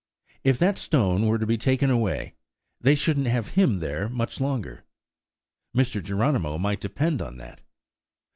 If that stone were to be taken away, they shouldn't have him there much longer–Mr. Geronimo might depend upon that!